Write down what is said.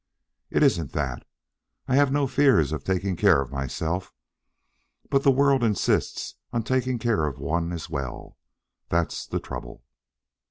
It isn't that. I have no fears of taking care of myself, but the world insists on taking care of one as well. That's the trouble.